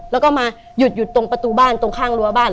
แล้วก็มาหยุดตรงประตูบ้านตรงข้างรั้วบ้าน